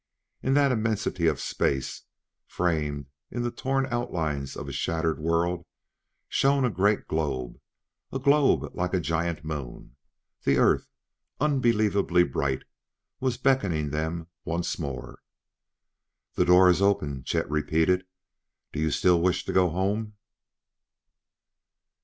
In that immensity of space, framed in the torn outlines of a shattered world, shone a great globe a globe like a giant moon. The Earth, unbelievably bright, was beckoning them once more. "The door is open," Chet repeated; "do you still wish to go home?"